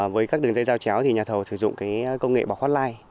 với các đường dây dao chéo nhà thầu sử dụng công nghệ bọc hotline